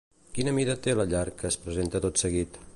Quina mida té la llar que es presenta tot seguit?